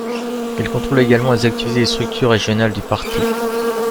Il contrôle également les activités des structures régionales du parti.